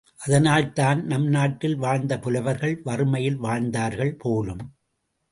அதனால்தான் நம் நாட்டில் வாழ்ந்த புலவர்கள் வறுமையில் வாழ்ந்தார்கள் போலும்!